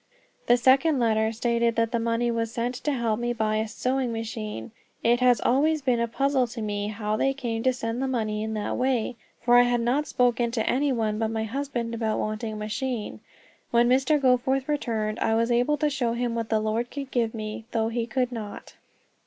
The second letter stated that the money was sent to help me buy a sewing machine. It has always been a puzzle to me how they came to send the money in that way, for I had not spoken to any one but my husband about wanting a machine. When Mr. Goforth returned I was able to show him what the Lord could give me, though he could not.